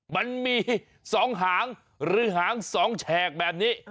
มันมี๒หางหรือหาง๒แฉกแบบนี้